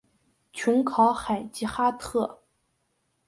琼考海吉哈特。